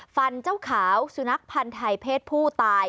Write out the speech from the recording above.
เจ้าขาวสุนัขพันธ์ไทยเพศผู้ตาย